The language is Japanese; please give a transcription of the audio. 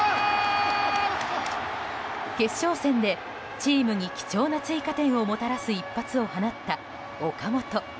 決勝戦でチームに貴重な追加点をもたらす一発を放った岡本。